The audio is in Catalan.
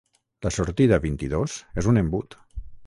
La sortida vint-i-dos és un embut.